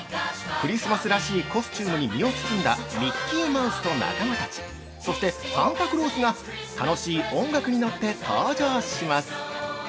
◆クリスマスらしいコスチュームに身を包んだミッキーマウスと仲間たち、そしてサンタクロースが楽しい音楽に乗って登場します！